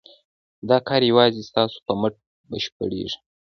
دا کار یوازې ستاسو په مټ بشپړېږي.